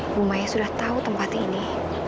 bu maya sudah tahu tempat ini